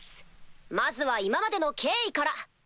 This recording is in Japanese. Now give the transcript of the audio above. まずは今までの経緯から。